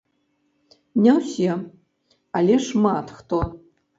Не ўсе, але шмат хто.